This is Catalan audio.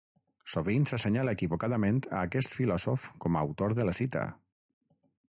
Sovint s'assenyala equivocadament a aquest filòsof com a autor de la cita.